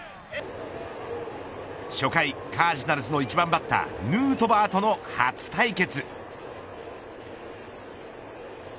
初回、カージナルスの１番バッターヌートバーとの初対決。